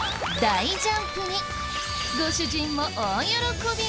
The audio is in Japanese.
大ジャンプにご主人も大喜び。